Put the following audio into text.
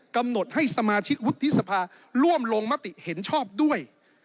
กำหนดให้สมาชิกวุฒิสภาร่วมลงมติเห็นชอบด้วย